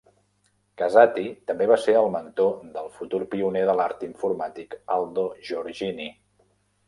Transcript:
Casati també va ser el mentor del futur pioner de l'art informàtic Aldo Giorgini.